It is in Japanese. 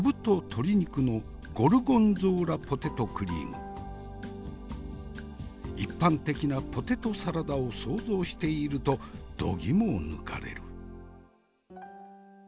店の定番一般的なポテトサラダを想像しているとどぎもを抜かれる。